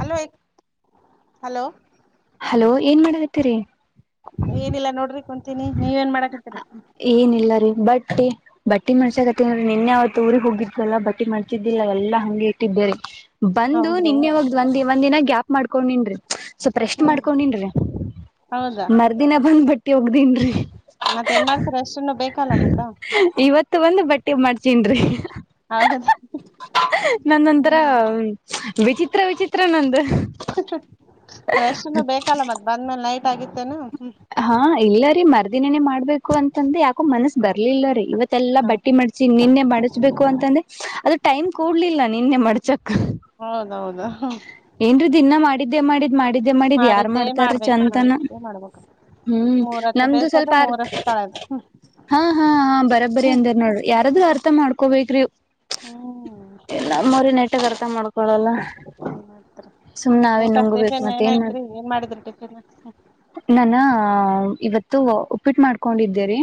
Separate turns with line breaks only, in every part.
Hello hello
hello ಏನ್ ಮಾಡ ಹತಿರಿ?
ಏನಿಲ್ಲ ನೋಡ್ರಿ ಕುನ್ ತೀನಿ ನೀವ ಏನ್ ಮಾಡಕತ್ತೀರಿ?
ಏನಿಲ್ಲರಿ ಬಟ್ಟಿ ಬಟ್ಟಿ ಮಡಚಕತ್ತಿನ್ ಅಂದ್ರೆ ನಿನ್ನೆ ಅವತ್ ಊರಿಗ್ ಹೋಗಿದ್ವಲ್ಲ ಬಟ್ಟಿ ಮಾಡ್ಚಿದ್ದಿಲ್ಲ ಎಲ್ಲಾ ಹಂಗೆ ಇಟ್ಟಿದ್ದೇರಿ. ಬಂದು
ಹೌದ್ರಿ
ನಿನ್ನೆವಗ್ದ್ ಒಂದ ಒಂದಿನ ಗ್ಯಾಪ್ ಮಾಡ್ಕೊಂಡಿನ್ರಿ. ಸ್ವಲ್ಪ್ರ ರೆಷ್ಟ್
ಹ್ಮ್
ಮಾಡ್ಕೊಂಡಿನ್ರೀ
ಹೌದಾ
ಮರ್ದಿನ ಬಂದ್ ಬಟ್ಟಿ ಓಗ್ದೀನ್ರಿ. ಹ್ಮ್
ಮತ್ತ ಏನ್
ಹ್ಮ್
ಮಾಡ್ತಾರ ಅಷ್ಟನ್ನು ಬೇಕಲ್ಲ ಮತ್ತ
ಇವತ್ತು ಒಂದು ಬಟ್ಟೆ ಮಾಡ್ಚನ್ ರಿ ಹಿ ಹಿ
ಹೌದ
ನನೊಂತರ
ಹ್ಮ್
ವಿಚಿತ್ರ ವಿಚಿತ್ ತ್ರ ನಂದು
ರೆಸ್ಟನ್ನು ಬೇಕಲ್ಲ ಮತ್ ಬಂದ್ಮೇಲೆ ನೈಟ್ ತ್ತಾಗಿತ್ತೇನು.
ಹಾ ಇಲ್ಲರಿ ಮರ್ ದಿನನೆ ಮಾಡ್ಬೇಕು ಅಂತಂದ ಯಾಕೋ ಮನಸ್ಸ ಬರ್ಲಿಲ್ಲ ರೀ ಇವತ್ ತ್ತೆಲ್ಲಾ ಬಟ್ಟಿ ಮಾಡ್ಚಿ ನಿನ್ನೆ ಮಾಡಿಚ್ಬೆಕು ಅಂತಂದೆ ಅದು ಟೈಮ್ ಕೂಡ್ಲಿಲ್ಲ. ನಿನ್ನೆ ಮಡ್ಚಕ್
ಹೌದೌದ್ ಹ್ಮ್.
ಏನ್ರ ದಿನ್ನ ಮಾಡಿದ್ದೇ ಮಾಡಿದ್ ಮಾಡ್ ದೆ ಮಾಡಿದ್ ಯಾರ
ಮಾಡಿದ್ದೇ
ಮಾಡ್ತಾರೀ
ಮಾಡ್ಬೇಕು
ಚಂತನ
ಮಾಡಿದ್ದೇ ಮಾಡ್ಬೇಕು
ಹ್ಮ
ಮೂರತ್ತು
ನಮ್ದು
ಬೇಸದು
ಸ್ವಲ್ಪ ಅರ್ಥ
ಮೂರತ್ತು ತೊಳದು
ಹ ಹ ಹ ಬರಬ್ಬರಿ
ಹ್ಮ್
ಅಂದ ನೋಡ್ರಿ ಯಾರಾದ ಅರ್ಥ ಮಾಡ್ಕೋಬೇಕ್ರಿ [unintelligible] ನಮ್ಮವ್ರಿನ ಅರ್ತ ಮಾಡ್ ಕೊಳಲ್ಲ ಸುಮ್ ನಾವೇ
ಊಟ
ನುಂಗಬೇಕು
ಟಿಫಿನ್
ಮತ್ತ ಏನ್
ಏನಾಯ್ತ್ರಿ ಮಾಡಿದ್ರಿ ಟಿಫಿನ್
ನಾನ ಇವತ್ ತ್ತು ಉಪ್ಪಿಟ್ಟು ಮಾಡ್ಕೊಂಡಿದ್ದೇರಿ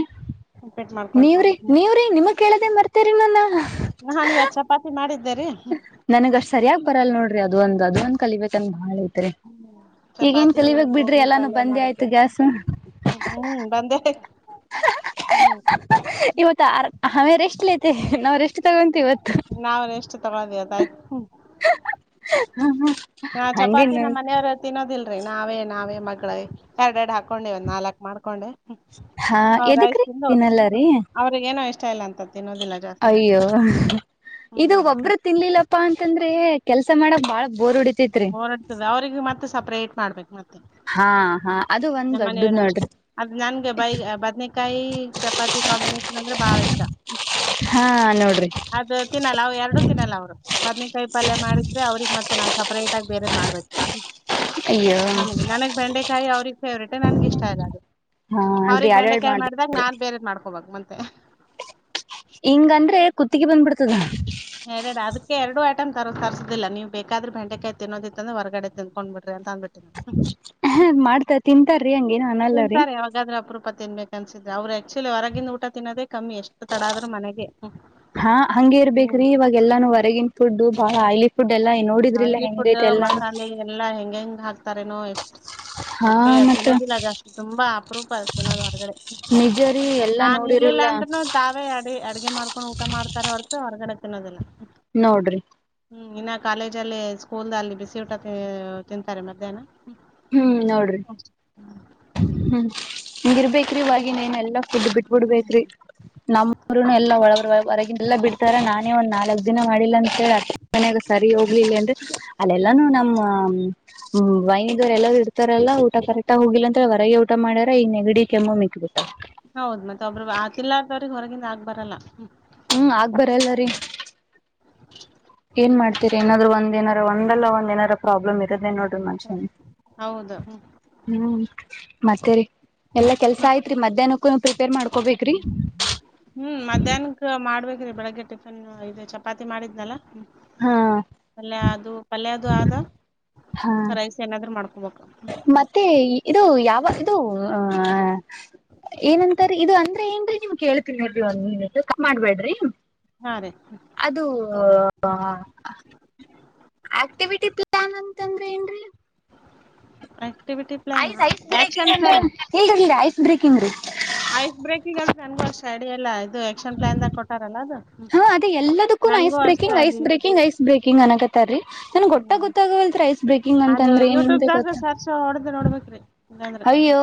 ರಿಪೀಟ್ ಮಾಡ್ಕೊಂಡ್ರಿ
ನೀವ್ರಿ ನೀವ್ರೀ ನಿಮ ಕೇಳದೇ ಮರ್ತೇರಿ ನಾನು
ನಾನ್ ಇವತ್ ಚಪಾತಿ ಮಾಡಿದ್ದೆ ರೀ
ನನ್ಗಷ್ಟ್ ಸರಿಯಾಗಿ ಬರಲ್ಲ ನೋಡ್ರಿ ಅದ ಒಂದ್ ಅದ ಒಂದ ಕಲಿಬೇಕಂತ ಬಾಳ್ ಐತಿ
ಹ್ಮ ಚಪಾತಿ ಗೋಬಿ
ಎಲ್ಲಾನು
ಪಲ್ಯ
ಬಂದೇ ಆಯ್ತು
ಮಾಡಿದ್ದೆ
ಗ್ಯಾಸ್
ಹ್ಮ್ ಬಂದೆ ಹ್ಮ್
ಇವತ್ ಆರ್ ಹ ವ ರೆಸ್ಟ್ ಲತೆ [unintelligible] ನಾವ್ ರೆಷ್ಟು ತಗೊಂತೀವಿ ಇವತ್
ನಾವು ರೆಷ್ಟು ತಗೋ ಬೇಕಾಯ್ತು
ಹ್ಮ ಹ್ಮ
ಹ ಚಪಾತಿ ನಮ್ಮ್ ಮನೆಯವ್ರ ತಿನ್ನೋದಿಲ್ ರಿ ನಾವೇ ನಾವೇ ಮಡ್ಕೊಳದ್ ಎರಡ್ ಎರಡು ಹಾಕೊಂಡೆ ಒಂದ್ ನಾಲ್ಕ್ ಮಾಡ್ಕೊಂಡೆ
ಹಾ
ಅವ್ರ್
ಎದಕ್ ರಿ ತಿನ್ನಲ್ಲಾರೀ
ಸ್ಟೈಲ್ ಅಂತ ತಿನ್ನೋದಿಲ್ಲ ಜಾಸ್ತಿ
ಅಯ್ಯೋ ಇದು
ಹ್ಮ್
ಒಬ್ಬರು ತಿನ್ಲಿಲ್ಲ ಪ್ಪಾ ಅಂತಂದ್ರೆ ಕೆಲ್ಸ ಮಾಡಕ್ ಬಾಳ ಬೋರ್ ಹೊಡಿತೈತ್ರಿ
ಓರಾಡ್ತದೆ ಅವ್ರಿಗೆ ಮತ್ತ ಸಪ್ರೇಟ್ ಮಾಡ್ಬೇಕು ಮತ್ತೆ
ಹಾ
ಹ್ಮ
ಹಾ ಅದು ಒಂದ್
ನಮ್ಮ
ದೊಡ್ಡದ್
ಮನೆಯವರು ಅಷ್ಟೇ
ನೋಡ್ರಿ
ಅದ ನನ್ಗೆ ಬೈ ಬದ್ನೇಕಾಯಿ ಚಪಾತಿ ಕಾಂಬಿನೇೇಶನ್ ಅಂದ್ರೆ ಬಹಳ ಇಷ್ಟ
ಹಾ ನೋಡ್ರಿ
ಅದ ತಿನ್ನಲ್ಲ ಅವ ಎರಡು ತಿನ್ನಲ್ಲ ಅವ್ರು ಬದ್ನೇಕಾಯಿ ಪಲ್ಯ ಮಾಡಿದ್ರೆ ಅವ್ರಿಗೆ ಮತ್ತೆ ನಾವು ಸಪ್ರೇಟ್ ಆಗಿ ಬೇರೆದ್ ಮಾಡ್ಬೇಕು ಅನಿಂಟೆಲಿಜಬಲ್
ಅಯ್ಯೋ
[inaudible] ನನ್ಗೆ ನನಗ್ ಬೆಂಡೆಕಾಯಿ ಅವ್ರಗ್ ಫೇವ್ರೇಟ್ ನನ್ಗ್ ಇಷ್ಟ ಇಲ್ಲ ಅದು
ಹಾ ಅಂದ್ರೆ
ಅವ್ರಗ್
ಎರಡ್ ಎರಡ್
ಬೆಂಡೆಕಾಯಿ
ಮಾಡ್ರಿ
ಮಾಡಿದ್ದಾಗ ನಾನ್ ಬೇರೆದ್ ಮಾಡ್ಕೊ ಹೋಗಬಕ್ ಮತ್ತೆ
ಇಂಗ ಆದಂದ್ರೆ ಕುತ್ತಿಗೆ ಬಂದ್ಬಿಡ್ತದ
ಹೇಳೇಡ ಅದಕ್ಕೆ ಎರಡು [unintelligible] ಬಟಮ ತರೋದಿಲ್ಲ ನೀವು ಬೇಕಾದ್ರೆ ಬೆಟೆಕಾಯಿ ತಿನ್ನೋದಿಂದ್ರ ಹೊರ್ಗಡೆ ತಂದಕೊಂಡ್ ಬಿಟ್ಟು
ಹ ಮಾಡ್ತ ತಿಂತಾರೀ ಹಂಗೇನ
ತಿಂತಾರೆ ಯಾಗಾದ್ರ ಅಪರೂಪ ತಿನ್ಬೇಕು ಅನ್ಸಿದ್ದ [unintelligible] ಅವ್ರ ಆಕ್ಟ್ನಳ್ಳಿಲಿ [unintelligible] ಹೊರಗಂದು ಊಟ ತಿನ್ನೋದೇ ಕಮ್ಮಿ ಎಷ್ಟು ತಡ ಆದ್ರೂ ಮನೆಗೆ
ಹಾ ಹಂಗೆ
ಹ್ಮ
ಇರ್ಬೇಕ್ರಿ ಇವಾಗ ಎಲ್ಲಾನು
ಹ್ಮ
ಹೊರಗಿನ [unintelligible] ನೋಡಿದ್ರಿಲ್ಲ
ಆಯಿಲಿ [unintelligible] ಫುಡ್
ಹೆಂಗೈತೆ ಎಲ್ಲಾ
ಮಸಾಲೆ ಎಲ್ಲಾ ಹೆಂಗ ಹೆಂಗ ಹ [unintelligible] ತಾರೇನೋ ಎಷ್ಟು
ಹಾ
ಅದ್ಕೆ [unintelligible]
ಮತ್ತ
ತಿನ್ನೋದಿಲ್ಲ ಜಾಸ್ತಿ ತುಂಬಾ ಅಪರೂಪ ತಿನ್ನೋದು ಹೊರಗಡೆ
ನಿಜರಿ ಎಲ್ಲಾ
ನಾನ್ ಇರ್ಲಿಲ್ಲ
ನೋಡಿರಿಲ್ಲ
ಅಂದ್ನು ತಾವೇ ಅ ಅಡಗೆ ಮಾಡ್ ಹಕೊಂಡ್ [unintelligible] ಊಟ ಮಾಡತಾರ ಹೊರತು ಹೊರಗಡೆ ತಿನ್ನೋದಿಲ್ಲ
ನೋಡ್ರಿ
ಇ [unintelligible] ಕಾಲೇಜ ಅಲ್ಲಿ ಸ್ಕೂಲ್ ಅಲ್ಲಿ ಬಿಸಿ ಊಟ ತಿ ತಿಂತಾರೆ ಮಧ್ಯಾಹ್ನ
ಹ್ಮ್ ನೋಡ್ರಿ ಹ್ಮ್ ಹಂಗ ಇರ್ಬೇಕ್ರ [unintelligible] ಇವಾಗಿನೇನೆಲ್ಲ [unintelligible] ಬಿಟ್ಬಿಡ್ಬೇಕ್ರೀ
ಹ್ಮ್
ನಮ್ಮರು ಎಲ್ಲಾ ಒಳಗ ಹೊರಗಿನ ಎಲ್ಲಾ ಬಿಡ್ತಾರ ನಾನೇ ಒಂದ್ ನಾಲ್ಕ್ ದಿನ ಮಾಡಿಲ್ಲ ಅಂತೇಳಿ ಅ [unintelligible] ಮನಯಾಗ ಸರಿ ಹೋಗ್ಲಿಲ್ಲ ಅಂದು ಅದೆಲ್ಲಾನು ನಮ್ಮ [unintelligible] ವೈ ಎಲ್ಲ ಇಡ್ತಾರಲ್ಲ ಊಟ ಕರೆಕ್ಟ್ ಆಗ ಹೋಗಿಲ್ಲ ಅಂದ್ರೆ ಹೊರಗೆ ಊಟ ಮಾಡಾರ ಈ ನೆಗಡಿ ಕೆಮ್ಮು ಮಿಕ್ಬಿಟ್ಟ [unintelligible]
ಹೌದ್ ಮತ್ತೆ ಒಬ್ಬರು [unintelligible] ಆತಿಲ್ಲದವ್ರಿಗೆ ಹೊರಗಿಂದ ಆಗ್ಬರಲ್ಲ
ಹ್ಮ್ ಆಗ್ ಬರಲ್ಲರಿ ಏನ್ ಮಾಡ್ತೀರಿ ಏನಾದ್ರು ಒಂದ ಏನಾರ ಒಂದಲ್ಲ ಒಂದ್ಏನಾರ [unintelligible] ಪ್ರಾಬ್ಲಮ್ ಇರೋದೇ ನೋಡ [unintelligible]
ಹೌದು
ಹ್ಮ್ ಮತ್ತೇರಿ ಎಲ್ಲಾ ಕೆಲ್ಸ ಆಯ್ತ್ರಿ ಮಧ್ಯಾಹ್ನ ಕ [unintelligible]
ಹ್ಮ್ ಮಧ್ಯಾಹ್ನಕ್ ಮಾಡ್ಬೇಕ್ರಿ ಬೆಳಗ್ ಹಾಗ ಟಿಫಿನ್ ಇದು ಚಪಾತಿ ಮಾಡಿದ್ನಲ್ಲ
ಹಾ
ಅಲ್ಯ [unintelligible] ಅದು ಪಲ್ಯ ಅದು ಆದ
ಹಾ
ರೈಸ್ ಏನಾದ್ರು ಮಾಡ್ಕ
ಮತ್ತೆ ಇದು ಯಾವ್ ಇದು ಆ ಏನಂತಾರ ಇದು ಅಂದ್ರೆ ಏನ್ರೀ ನಿಮ್ ಕೇಳ್ತೀನಿರಿ [unintelligible] ಒನ್ ಮಿನಿಟ್ ಕಟ್ ಮಾಡ್ಬೇಡ್ರಿ
ಹಾ ರೀ
ಅದು [unintelligible] ಆಕ್ಟಿವಿಟಿ ಪ್ಲಾನ್ ಅಂತಂದ್ರೆ ಏನ್ರೀ
[unintelligible] ಪ್ಲಾನ್
ಆಯ್ತ
action plan
[unintelligible] breaking [unintelligible]
ice break eagle [unintelligible] ನನ್ಗೂ ಅಷ್ಟ ಐಡಿಯಾ ಎಲ್ಲ ಆಯ್ತು ಇದು ಎಕ್ಷನ್ ಪ್ಲಾನ್ ದಾಗ ಕೊಟ್ಟಾರಲ್ಲ ಅದು
ಹಾ ಅದೆ ಎಲ್ಲದಕ್ಕೂನು ಐಸ್
ನನ್ಗೂ ಅಷ್ಟ
breaking ice
idea
breaking ice breaking ಅನಕತ್ತಾರೀ ನನ್ಗೆ ಗೊಟ್ಟಾಗ
ಹ್ಮ್
[unintelligible] ಗೊತ್ತಾಗವಲ್ತ್ರಿ ಐಸ್ ಬ್ರೇಕಿಂಗ್ ಅಂತ
ಅದು
ಅಂದ್ರೆ ಏನ್
ಯೂಟ್ಯೂಬ್ದಾಗ
ಗೊತ್ತ
ಸರ್ಚ್ ಹೊಡದ್ ನೋಡ್ಬೇಕ್ರಿ ಇಲ್ಲಾಂದ್ರ
ಅಯ್ಯೋ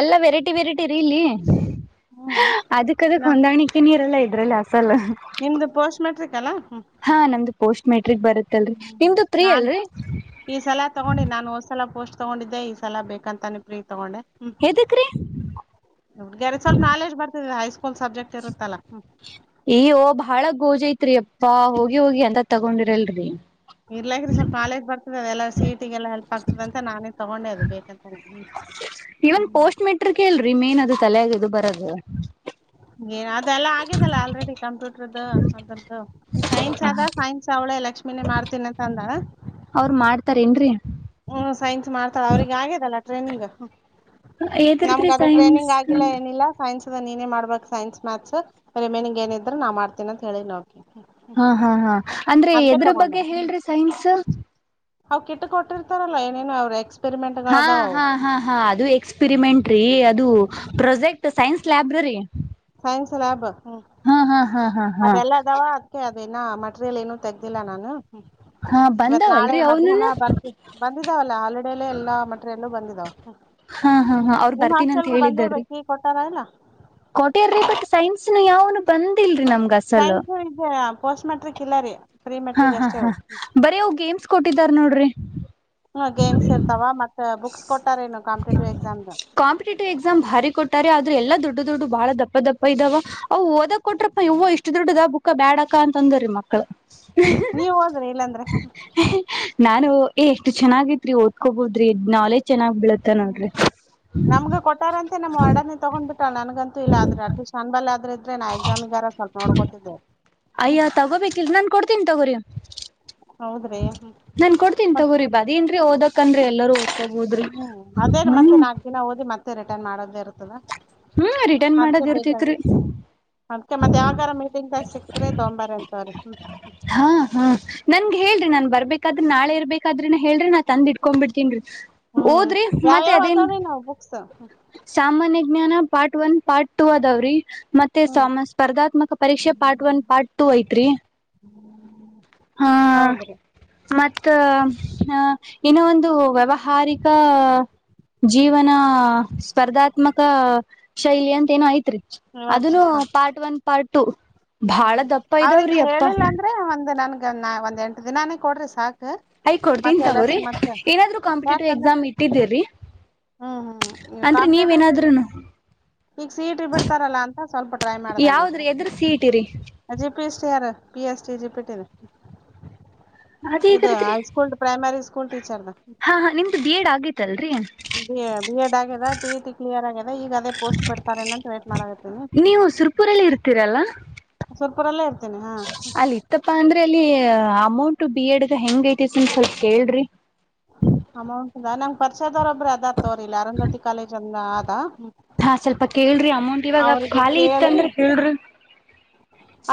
ಎಲ್ಲಾ ವೆರೈಟಿ [unintelligible]
ಹ್ಮ್
ಅದಕ್ ಅದಕ್
ನಾ
ಹೊಂದಾಣಿಕೆ ನೀರೆಲ್ಲಾ ಅಸಲ್ಲ
ನಿಮ್ದು ಪೋಸ್ಟ್ ಮೆಟ್ರಿಕ್ ಅಲ್ಲಾ ಹ್ಮ್
ಹಾ ನಮ್ದು ಪೋಸ್ಟ್ ಮೆಟ್. ಬರುತ್ತಲ್ರರಿ ನಿಮ್ದು ತ್ರೀ
ನಾನ್
ಅಲ್ರಿ.
ಈ ಸಲ ತಗೊಂಡಿ ನಾನು ಹೋದ್ಸಲ ಪೋಸ್ಟ್ ತಗೊಂಡಿದ್ದೆ ಈ ಸಲ ಬೇಕಂತಾನೆ ಪ್ರೀ ತಗೊಂಡೆ. ಹ್ಮ್
ಎದಕ್ರಿ
ಗೆರೆ ಸ್ವಲ್ಪ ನಾಲೆಜ್ ಬರ್ತದೆ ಹೈ ಸ್ಕೂಲ್. ಸ್ಕೂಲ್ ಸಬ್ಜೆಕ್ಟ್ ಇರುತ್ತಲ್ಲ ಹ್ಮ್.
ಅಯ್ಯೋ [unintelligible] ಐತ್ರಿ ಅಪ್ಪಾ ಹೋಗಿ ಹೋಗಿ ಅಂತ ತಗೊಂಡಿರಲ್ರಿ.
[inaudible] ಇಗೆಲ್ಲ ಹೆಲ್ಪ್ ಆಗ್ತದೆ ಅಂತ ನಾನೇ ತಗೊಂಡೆ ಅದು ಬೇ.
ಇವನ್ ಪೋಸ್ಟ್ ಮೆಟ್ರಿಕ್ ಇಲ್ರಿ. ಮೇನ್ ಅದಕ್ ಅಲ್ಲ ಇದಕ್ ಬರದು
ಏ ಅದೆಲ್ಲ ಆಗಿದೆಲ್ಲ ಆಲ್ರೆಡಿ ಕಂಪ್ಯೂಟರ್ದು ಅದರದ್ದು [inaudible] [unintelligible] ಮಾಡ್ತೀನಿ ಅಂತ ಅಂದ
[inaudible]
ಹ್ಮ ಸೈನ್ಸ್
ಎದರ್ದ್ರಿ
ನಮ್ಗ ಅದು
ಸೈನ್ಸ್
ಟ್ರೈನಿಂಗ್ ಆಗಿಲ್ಲ ಏನಿಲ್ಲ ಸೈನ್ಸ್ ನೀನೇ ಮಾಡ್ಬೇಕ ಸೈನ್ಸ್ ಮ್ಯಾತ್ಸ್ ರಿಮೇನಿಂಗ್ ಏನಿದ್ ನಾ ಮಾಡ್ತೇನ ಅಂತ ಹೇಳಿದೀನಿ ಅವಕ್ಕೆ.
ಹಾ ಹಾ ಹಾ ಅಂದ್ರೆ ಎದ್ರ
ತಗೊಂಡೆ
ಬಗ್ಗೆ ಹೇಳ್ರಿ ಸೈನ್ಸ್.
ಅವ್ ಕಿಟ್ಟ ಕೊಟ್ಟಿರ್. ಕೊಡುತರಲ್ಲ ಏನನು ಅವ್ರ ಎಕ್ಸ್
ಹಾ ಹಾ ಹಾ ಹಾ. ದು project science library
science lab ಹ್ಮ
ಹಾ ಹಾ ಹಾ
ಅದೆಲ್ಲದವಾ ಅದ್ಕೆ ಇನ್ನ ಮಟೀರಿಯಲ್ ಏನು ತೆಗ್ದಿಲ್ಲ ನಾನು. ಹ್ಮ
ಹಾ
ಇವತ್ ನಾಳೆ
ಬಂದವಲ್ರರಿ
ಮಧ್ಯಾಹ್ನ
ಅವನುನು
ಬರ್ತ ಬಂದಿದ್ದಾವಲ್ಲ ಹಾಲಿಡೇಲ್ಲೇ ಎಲ್ಲಾ ಮಟರಿ ಎಲ್ಲೂ ಬಂದಿದ್ [unintelligible]
ಹಾ ಹಾ ಹಾ ಅವ್ರು ಬರ್ತೀನ್ ಅಂತ್ ಹೇಳಿದ್ದಾರಿ
ಬಂದಿರ್ಬೇಕ್ ಈಗ ಕೊಟ್ಟಾರ ಇಲ್ಲ
ಕೋಟಿಯರ್ರಿ ಬಟ್ ಸೈನ್ಸ್ನು ಯಾವನು ಬಂದಿಲ್
ಸೈನ್ಸ್ ಮಾಡಿದ್ದನ್ನ ಪೋಸ್ಟ್ ಮ್ಯಾಟ್ರಿಕ್ ಇಲ್ಲ ರೀ ಪ್ರಿ
ಹಾ
ಮೆಟ್ರಿಕ್
ಹಾ
ಅಷ್ಟೇ
ಹಾ
ಅವು
ಬರೀ ಅವ್ ಗೇಮ್ಸ್ ಕೊಟ್ಟಿದಾರ ನೋಡ್ರಿ
ಹ್ಮ ಗೇಮ್ಸ್ ಇರ್ತಾವ ಮತ್ತ ಬುಕ್ಸ್ ಕೊಟ್ಟಾರ ನು ಕಾಂಪಿಟೇಟಿವ್ ಎಕ್ಸಾಮ್ದ
ದೋಡ್ಡು ಡೋಡ್ಡು ಬಾಳ ದಪ್ಪ ದಪ್ಪ ಇದಾವ ಅವು ಓದಕ್ ಕೊಟ್ರಪ್ಪ ಇವ್ ಇಷ್ಟ ದೋಡ್ಡದ ಬುಕ್ಕ ಬ್ಯಾಡಕ ಅಂತ ಅಂದ್ರೀ ಮಕ್ಕಳ
ನೀವ ಒದ್ರಿ ಇಲ್ಲಾಂದ್ರ
ನಾನು ಏ ಎಷ್ಟ ಚೆನ್ನಾಗತ್ರಿ ಓದ್ಕೋಬಹದ್ರಿ ನಾಲೆಜ್ ಚೆನ್ನಾಗ್ ಬೀಳತ್ತ
ಹ್ಮ್
ನೋಡ್ರಿ
ನಮ್ಗ ಕೊಟ್ಟಾರಂತೆ ನಮ್ಮ ವರ್ಡನೆ ತಗೊಂಡ್ ಬಿಟ್ಟಳ ನನ್ಗಂತ ಇಲ್ಲ ಆದ್ರ ಅಟ್ಲೀಸ್ಟ್ ನನ್ ಬಲ್ಲಾದ್ರು ಇದ್ರೆ ನಾ ಎಕ್ಸಾಮಿಗಾರ ಸ್ವಲ್ಪ ನೋಡ್ಕೋತಿದ್ದೆ
ಅಯ್ಯ ತಗೋಬೇಕಿಲ್ ನಾನ್ ಕೊಡ್ತೀನಿ ತಗೋರಿ
ಹೌದ್ರಿ
ನಾನ್ ಕೊಡ್ತೀನಿ
ಮತ್ತ್
ತೊಗೋರಿ ಬಾರಿ ಏನ್ರಿ ಓದಕಂದ್ರೆ ಎಲ್ಲರೂ ಓದ್ಕೋಬೋದ್ರಿ
ಹ್ಮ್ ಅದೇನ್ ಮತ್ತೆ
ಹ್ಮ್
ನಾಲ್ಕ್ ದಿನ ಓದಿ ಮತ್ತ ರಿಟರ್ನ್ ಮಾಡದೇ ಇರ್ತದ
ಹ್ಮ್ ರಿಟರ್ನ್
ಅದ್ಕ್ಕೆ
ಮಾಡದ್
ಬೇಕ
ಇರ್ತೇತ್ರಿ
ಅದ್ಕ್ಕೆ ಮತ್ತೆ ಯಾವಾಗಾರ ಮೀಟಿಂಗ್ ತಾಕ್ ಸಿಕ್ಕ್ರಿ ತೊಂಬಾರೆ ಅಂತವ್ರಿ ಹ್ಮ
ಹಾ ಹಾ ನನ್ಗೆ ಹೇಳ್ರಿ ನಾನ್ ಬರ್ಬೇಕ ಅದ್ರ ನಾಳೆ ಇರ್ಬೇಕಾದ್ರೆನೇ ಹೇಳ್ತಿ ನಾನ್ ತಂದ ಇಟ್ಕೊಂಡ್ ಬಿಡ್ತೀನರಿ
ಹ್ಮ್
ಓದ್ರಿ ಮತ್ತೆ
ಯಾವ್ಯಾವ್
ಅದೇನ್
ಅದಾವೇನೋ
ಸಾಮಾನ್ಯ ವಿಜ್ಞಾನ ಪಾರ್ಟ್ ಒನ್ ಪಾರ್ಟ್ ಟೂ ಅದಾವ್ರೀ ಮತ್ತೆ
ಹ್ಮ್
ಸ್ಪರ್ಧಾತ್ಮಕ ಪರೀಕ್ಷೆ ಪಾರ್ಟ್ ಒನ್ ಪಾರ್ಟ್ ಟೂ ಐತ್ರಿ ಹಾ
ಹೌದ್ರಿ
ಮತ್ತ ಹ ಹಿನಾ ಒಂದು ವ್ಯಾವಹಾರಿಕ ಜೀವನ ಸ್ಪರ್ಧಾತ್ಮಕ ಶೈಲಿ ಅಂತ ಏನು ಐತ್ರಿ ಅದನ್ನು ಪಾರ್ಟ್ ಒನ್ ಪಾರ್ಟು
ಹ್ಮ ಅವ್ರಿಗೆ ಹೇಳಿಲ್ಲ ಅಂದ್ರೆ ಒಂದ ನನ್ಗ ನಾ ಒಂದ್ ಎಂಟ ದಿನಾನೇ ಕೊಡ್ರಿ ಸಾಕ ತ್ತೆ
ಐ ಕೊಡ್ತೀನ್
ಮತ್ತೆ ಎಲ್ಲ
ತಗೋರಿ
[unintelligible] ಮತ್ತ್
ಏನಾದ್ರು ಕಾಂಪಿಟೇಟಿವ್
ಯಾಕಂದ್ರ
ಎಕ್ಸಾಮ್ ಇಟ್ಟಿದ್ದೀರಿ
ಹ್ಮ ಹ್ಮ ಈ
ಅಂದ್ರೆ ನೀವ್
ಕಾಂಪಟೇಟಿವ್
ಏನಾದ್ರುನು
ಈಗ ಸೀಟ ಬಿಡ್ತಾರಲ್ಲ ಅಂತ ಸ್ವಲ್ಪ ಟ್ರೈ ಮಾಡ್ದಂಗ ಅಷ್ಟೆ
ಟಿರಿ
ಪಿಸಿಆರ್ ಪಿ ಎಸ್ಟಿ ಜಿಪಿಟಿದ
ಅದ ಏದದ್ರಿ
ಪ್ರೈಮರಿ ಸ್ಕೂಲ್ ಟೀಚರ್ದ
ಹಾ ಹ ನಿಮ್ದು ಡಿಎಡ್ ಆಗೇತಲ್ರಿ
ಬಿ ಬಿ ಎಡ್ ಆಗ್ಯಿದೆ ಟಿ ಇ ಟಿ ಕ್ಲಿಯರ್ ಆಗ್ಯಿದೆ ಈಗ ಅದೇ ಪೋಸ್ಟ್ ಬಿಡ್ತಾರ ನಂತ ವೇಟ್ ಮಾಡಕತೀನಿ
ನೀವು ಸುರ್ಪುರಲ್ಲಿ ಇರ್ತೀರಲ್ಲಾ
ಸವರ್ಪುರಲ್ಲೇ
ಅಲ್ಲಿ ಇತ್ತಪ್ಪ ಅಂದ್ರೆ ಅಲ್ಲಿ ಅಮೌಂಟ್ ಬಿ ಎಡ್ಗ ಹೆಂಗ ಐತಿತಿ ಸ್ವಲ್ಪ ಕೇಳ್ರಿ
ಅಮೌಂಟ್ದ ನಂ್ ಪರಿಚಯದವಾರೊಬ್್ರ ಅದಾರ್ ತೋ್ರಿಲ್ಲ ಅರಂಧತಿ ಕಾಲೇಜ್ ಅಂದ ಾ
ಹಾ ಸ್ವಲ್ಪ ಕೇಳ್ರಿ [unintelligible] ಅಮೌಂಟ್ ಇವಾಗ ಖಾಲಿ ಇತ್ತ
ಕೇಳಿ
ಅಂದ್ರೆ ಹೇಳ್ರಿ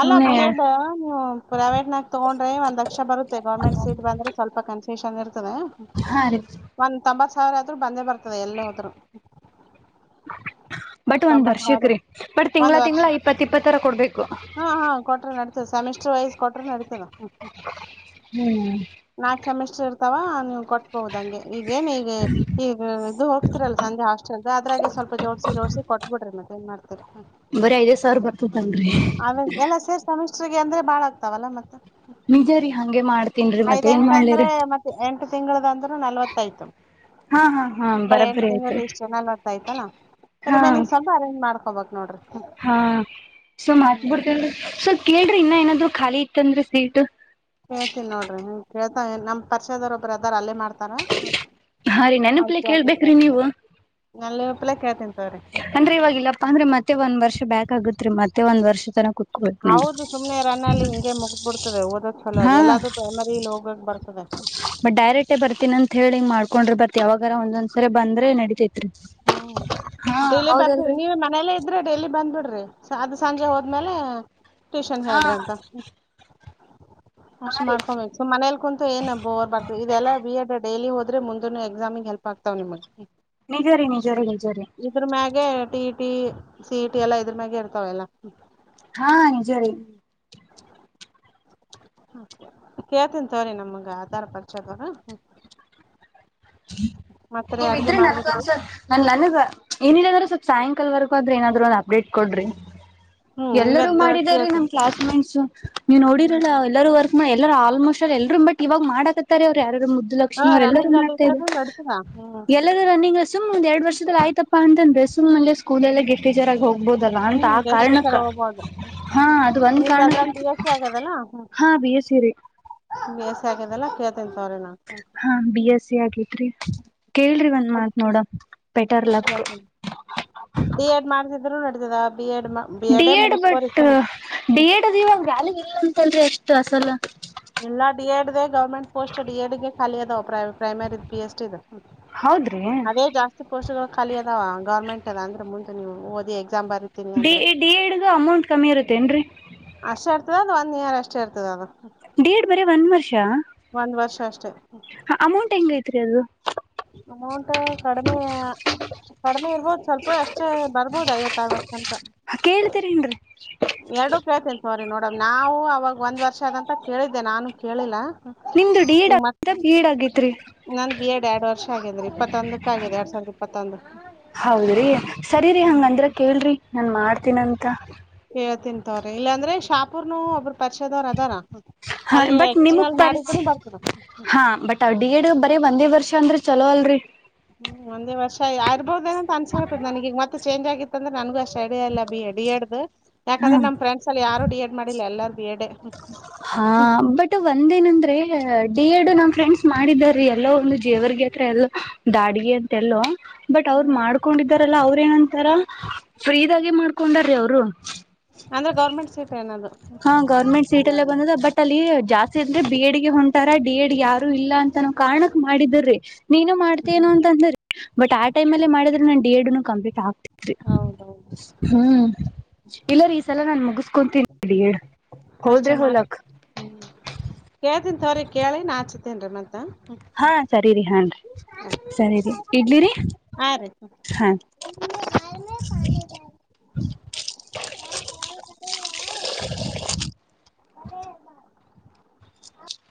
ಅಲ್ಲ ಬಿ ಎಡ್ ನೀ ಪ್ರವೇಟ್ ನಾಗ್ ತಗೊಂಡ್ರ ಒಂದ್ ಲಕ್ಷ ಬರುತ್ತ ಗರ್ಮೆಂಟ್ ಸೀಟ್ ಬಂದ್ರೆ ಸ್ವಲ್ಪ ಕನ್ಸ ೇಶಂದ
ಹಾ ರೀ
[unintelligible] ಒ ತ [unintelligible] ಸಾರ ಆದ್ರರು ಬಂದೇ ಬರ್ತದೆ ಎಲ್ಲ ಹೋದ್ರು
ಬಟ್ ಒಂದ್
ತೊಂಬತ್
ಬರ್ಷಿಕ್
ಸಾವಿರ
ರೀ ಬಟ್ ತಿಂಗಗಳ
ಒಂದ್ ವರ್ಷ
ತಿಂಗಗಳ ಇಪ್ಪತ್ತ ಇಪ್ಪತ್ತ
ಹಾ ಹಾ ಕೊಟ್ರೆ ನಡತ ಸೆಮಿಸ್ಟರ್ ವೈಸ್ ಕೊಟ್ರೆ ನಡತ ಸ ಹ
ಹ್ಮ್
ನಾ ಸೆಮಿಸ್ಟರ್ ಅವಾ ನೀವು ಕೊಟ್ಟ ಬೌದುಂಗೆ ಈಗ ಏನ್ ಈಗ ಈಗ ಇದು ಹೋಗ್ತಿೀರಲ್ಲ ಸಂಜೆ ಹಾಸ್ಟೆಲ್ ಅದ್ರಾಗೆ ಸ್ವಲ್ಪ ಜೋಡ್ಸಿ ಜೋಡ್ಸಿ ಕೊಟ್ಬಿಡ್ರಿ ಮತ್ತ ಏನ್ ಮಾಡ್ತರ
ಬರಿ ಐದೆ ಸರ್ ಬರ್ತ
ಅವೇ ಎಲ್ಲಾ ಸೇರ್ಸ ಮ ಮ ಅಂದ್ರೆ ಬಾಳ ಆಗ್ತಾವಲ್ಲ ಮತ್ತೆ
ನಿಜ ರೀ ಹಂಗೆ ಮಾಡ್ ತಿನ್ಿ ಮತ್ತೆ ಏನ್ ಮಾಡ್ಲಿರಿ
ಹ ತಿಂಗಳು ಅ್ರ ನಲ್ವತ್ತಾಯ್ತು
ಹಾ ಹಾ ಹಾ
ಬರ ಎಂಟು
ಬರಬ್ಬರಿ ಆಯ್ತು
ತಿಂಗಳ ಇಷ್ಟ ನಲ್ತ್ತಾಯ್ತಲ್ಲ
ಹಾ
ರಿಮೇನಿಂಗ್ ಸ್ವಲ್ಪ ಅರೇಂಜ್ ಮಾಡ್ತ ಹೋಗಕ್ ನೋಡ್ರರಿ
ಹಾ ಸೊ ಮಾತ್ ಬಿಿಡ್ತೇಲ್ೀ ಸೊ ಕೇಳ್ರಿ ಇನ್ನ ಏನಾದ್ರು ಖಾಲಿ ಇತ್ತಂದ್ರಿ ಸೀಟ್
ನಮ್ಮ ಪರ್ಚದರ ಒಬ್ಬರು ಅದಾರ ಅಲ್ಲೇ ಮಾಡ್ತಾರೆ
ಹಾ ರೀ
ಅ
ನೆನಪ್ಲೆ
ಕೇಳ್
ಕೇಳ್ಬೇಕ್ರಿ
ತಿಂತವ್ರೀ
ನೀವು
ನಲ್ಲಿ ಒಪ್ಲೆ ಕೇಳ್ ತಿಂತವ್ರೀ
ಅಂದ್ರೆ ಇವವಾಗಿಲ್ಲಪ್ಪಾ ಅಂದ್ರೆ ಮತ್ತೆ ಒಂದ್ ವರ್ಷ ಬ್ಯಾಕ್ ಆಗತ್ರಿ ಮತ್ತೆ ಒಂದು ವರ್ಷ ತನ ಕುೂತ್ಕೋಬೇಕಕ್ ನೋಡ್ರಿ
ಹೌದು ಸುಮ್ನೆ ರನ್ ಅಲ್ಲಿ ಹಿಂಗೆ ಮುಗಬಿಡ್ತದೆ, ಓದೋ ಚಲೋ
ಹಾ
ಅದು ಎಲ್ಲಾದೂ ಪ್ರೈಮರಿಲ್ ಹೋಗಕ್ ಬರ್ತದೆ.
ತಕೊಂಡ್ರ ಬರ್ತಿ ಯಾವಾಗರ ಒಂದಸರಿ ಬಂದ್ರೆ ನಡಿತತಿ. [inaudible]
ಡೈಲಿ ಬರ್ತೀವಿ ನೀವು ಮನೇಲ್ಲೇ ಇದ್ರೆ ಡೈಲಿ ಬಂದ್ಬಿಡ್ರಿ ಅದು ಸಂಜೆ ಹೋದ್ಮೇಲೆ ಟ್ಯೂಷನ್
ಹಾ
ಹೇಳ್ರಿ ಅಂತ.
ಹಾ
ಅರ್ಷ್
ರೀ
ಮಾಡ್ಕೊಬೇಕು ಸು ಮನೇಲಿ ಕುಂತು ಏನ್ ಒಬ್ರ್ ಬರ್ತ ಇದೆಲ್ಲಾ ಬಿಡ್ ಡೈಲಿ ಓದ ಅ ಮುಂದೆನು ಎಕ್ಸಾಮಿಗೆ ಹೆಲ್ಪ್ ಆಗ್ತಾವ್ ನಿಮಗೆ.
ನಿಜರಿ ನಿಜರಿ ನಿಜರಿ
ಟ ಟಿ ಸಿ ಇಟಿ ಎಲ್ಲಾ ಇದ್ರ ಮ್ಯಾಗೆ ಇರ್ತಾವ ಎಲ್ಲಾ.
ಹಾ ನಿಜ ರ
ಹ ಕೇಳ್ತನ ತವ್ರೀ ನಮ್ಗೆ ಆಧಾರ್ ಪರ್ಚದವ, ಹ್ಮ.
ನೀವಿದ್ರೆ ನನ್ಗ ಒಸ ನನ್ ನನಗ ಏನಿಲ್ಲದ್ರ ಸ್ವಲ್ಪ ಸಾಯಂಕಾಲವರೆಗೂ ಹದ್ರಿ ಏನಾದ್ರು ಒಂದು ಅಪ್ಡೇಟ್ ಕೊಡ್ರಿ.
ಹ್ಮ್
ಎಲ್ಲರೂ
ಇವತ್ತ್
ಮಾಡಿದಿದ್ದಾರೆ ನಮ್
ಕೇಳ್ತೇನ್
ಕ್ಲಾಸ್ ಮೇಟ್ಸ್ ಹ ನೀವು
ಹ್ಮ್.
ನೋಡಿರಲ್ಲ ಎಲ್ಲರೂ ವರ್ಕ್ ಮಾಡ ಎಲ್ಲ ಆಲ್ಮೋಸ್ಟ್ ಎಲ್ರರು ಬಟ್ವಾಗ್ ಮಾಡಕತ್ತಾರೆ ಅವರು ಯಾರ ಸು
ಹಾ
ಲಕ್ಷ್ಮಿ ಅವರು ಎಲ್ಲರೂ
ಅಲ್ಲಿ
ಮಾಡ್ತಾರೆ
ಇದ್ರೂನು ನಡಿತದ ಹ್ಮ್
ಎಲ್ಲರೂ ರನ್ನಿಂಗ ಸುಮ್ ಒಂದ ಎರಡು ವರ್ಷದಲ್ಲಿ ಆಯ್ತಪ್ಪ ಅಂತಂದ್ರೆ ಸ್ಕೂಲ್ಲಿ ಗೆಸ್ಟ್ ಟಚರ್ ಆಗ ಹೋಗಬಹದಲ್ಲ
ಹ್ಮ್
ಅ ಆ ಕಾರಣ
ಹೋಗ್ಬೋದು
ಹಾ ಅದು ಒಂದ
ನಿಂದ್ ಅದ್ರಾಗ
ಕಾರಣಕ್ಕೆ ಹಾ ಬಿ ಎಸರಿ
ಮಸ ಆಗಲ್ಲ ತ್ರ ನಾ
ಬಸಿ ಆಕಿದ್ರಿ ಕೇಳ್ರಿ ಒಂದ್ ಮಾತ್ ನೋಡ ಬೆಟರ್ ಲಕ್
ಕೇಳ್ತೇನಿ ತದ
D Ed but D Ed ಅದು ಇವಾಗ ವ್ಯಾಲಗ್ ಇಲ್ಲ. ಲ್ರಿ ಎಷ್ಟು ಅಸಲ
ಗೌರ್ಮೆಂಟ್ ಪೋಸ್ಟ್ ಡಿ ಎಡ್ ಖಾಲಿ ಅದ. Primary B S T E
ಹೌದ್ರಿ
ಅದೇ ಜಾಸ್ತಿ ಪೋಸ್ಟ್ ಗಳು ಖಾಲಿ ಅದಾವ ಗೌರ್ಮೆಂಟ್ ಅಂದ್ರೆ ಮುಂದೆ ನೀವುಓದಿ
ಡಿ ಎ ಡಿ ದೂ ಅಮೌಂಟ್ ಕಮ್ಮಿ ಇರುತ್ತೇ ಏನ್ರರಿ
ಅಷ್ಟೇ ಇರ್ತದ ಅದು ಒನ್ ಇಯರ್ ಅಷ್ಟೇ ಇರ್ತದದು
ಡಿ ಎ ಡಿ ಬರೇ ಒನ್ ವರ್ಷ
ಒಂದ್ ವರ್ಷ ಅಷ್ಟೇ.
ಅಮೌಂಟ್ ಹೆಂಗಐತ್ರಿ ಅದು
ಅಮೌಂಟ್ ಕಡಿಮೆ ಕಡಿ ಮೇ ಇರ್ಬಹದು ಸ್ವಲ್ಪ ಎಷ್ಟೇ ಬರ್ಬಹದು ಐವತ್ತು ಅರವತ್ತ ತನಕ
ಹ ಕೇಳ್ತೀರ ಏನ್ರರಿ
ಎರಡು ಕೇಳ್ತೀನಿ ತೊಗರಿ ನೋಡಿ ಮೇಡಮ್ ನಾವು ಅವವಾಗ ಒಂದ್ ವರ್ಷ ಆದಂತ ಕೇಳಿದ್ದೆ ನಾನು ಕೇಳಿಲ್ಲ
ನಿಂದು
ಈಗ ಮತ್ತೆ
ಡೀಡಾಗಿದ್ದ ಬೀ ಎಡ್ ಆಗೇತೀರಿ
ನಂದು ಬಿ ಎಡ್ ಎರಡ ವರ್ಷ ಆಗ್ಯದ ರೀ ಇಪ್ಪತ್ತೊಂದಕ್ಕೆ ಆಗ್ಯದ ಎರಡು ಸಾವಿರದ ಇಪ್ಪತ್ತೊಂದು
ಹೌದ್ರಿ ಸರಿರಿ ಹಂಗಂದ್ರ ಕೇಳ್ರಿ ನಾನ್ ಮಾಡ್ತೀನಂತ
ಕೇಳ್ತೀನಿ ತೊಗರಿ ಇಲ್ಲಾಂದ್ರೆ ಶಾಪೂರ್ನು ಒಬ್ರ
ಹ ಬಟ್ ನಿಮಗ
ಎಕ್ಸ್ಟರ್ನಲ್ ಮಾಡಿದ್ರು
ಪರಿಚಯ
ಬರ್ತದ
ಹ ಬಟ್ ಡಿ ಎಡ್ ಬರಿ ಒಂದೇ ವರ್ಷ ಅಂದ್ರೆ ಚಲೋ ಅಲ್ರರಿ
ಹ್ಮ್ ಒಂದೇ ವರ್ಷ ಇರ್ಬೋದೇನ ಅಂತ ಅನ್ಸಾಗತದೆ ನನಗ ಈಗ ಮತ್ತ ಚೇಂಜ್ ಆಗತ್ತಂದ್ರೆ ನನಗೂ ಅಷ್ಟ ಲ್ಲ ಇಡಿಯ ಇಲ್ಲ ಡಿ ಎಡ್ ಯಾಕಂದ್ರ ನಮ್ಮ ಫ್ರೆಂಡ್ ಅಲ್ಲಿ ಯಾರು ಡಿ ಎಡ್ ಮಾಡ ಡಿಲ್ಲ ಎಲ್ಲಾರ ಬೀ ಎಡ್
ಹಾ ಬಟ್ ಒಂದ ಏನಂದ್ರೆ ಡಿ ಎಡ್ ನಮ್ಮ ಫ್ರೆಂಡ್ಸ್ ಮಾಡಿದಾರೆ ಎಲ್ಲೋ ಒಂದು ಜೇವರ್ಗೆ ಹತ್ರ ಎಲ್ಲೋ ದಾಡಿಗೆ ಅಂತ ಎಲ್ಲೋ ಬಟ್ ಅವ್ರು
ಹ್ಮ್
ಮಾಡ್ಕೊಂಡಿದಾರಲ್ಲ ಅವ್ರ ಏನಂತ ರ ಫ್ರೀದಾಗೆ ಮಾಡ್ಕೊಂಡಾರ್ರೀ ಅವರು
ಅಂದ್ರ ಗರ್ಮೆಂಟ್ ಸೀಟ್ ಏನದು
ಹಾ ಗೌರ್ಮೆಂಟ್ ಸೀಟ್ ಅಲ್ಲೇ ಬಂದದ ಬಟ್ ಅಲ್ಲಿ ಜಾಸ್ತಿ ಅಂದ್ರೆ ಬಿ ಎಡ್ ಗೆ ಹೊಂಟಾರ ಡಿ ಯಡ--ಗ ಯಾರು ಇಲ್ಲ ಅಂತ ನಾವ್ ಕಾರಣಕ ಮಾಡಿದ್ರಿ ನೀನು ಮಾಡ್ತಿ ಅನೋ ಅಂತ ಅಂದೇ ರಿ ಬಟ್ ಆಟೈಮ ಅಲ್ಲಿ ಮಾಡಿದ್ರೆ ನನ್ ಡಿ ಎಡ--ನು ಕಂಪ್ಲೀಟ್ ಆಗ್ತತಿತ್ತ ರಿ
ಹೌದೌದು
ಹ್ಮ್ ಇಲ್ಲ ರೀ ಈ ಸಲ ನಾನ್ ಮುಗಿಸಕೊತೀನಿ. ಡಿ ಎಡ
ಅಷ್ಟೆ ಮಾಡ ಕೇಳ್ತನ್ ತೊಗರಿ ಕೇಳಿ ನಾಳ ಹಚ್ಚತಿನ್ರಿ ಮತ್ತ
ಹಾ ಸರಿರಿ ಹನ್ರಿ ಸರಿರಿ ಇಡ್ಲಿರಿ
ಹಾ ರೀ.
ಹಾ. [inaudible]